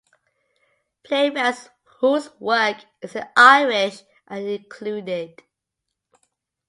Playwrights whose work is in Irish are included.